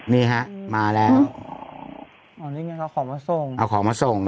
นี่ฮะมาแล้วอ๋อนี่ไงเอาของมาส่งเอาของมาส่ง